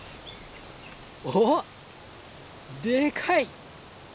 おっでかい！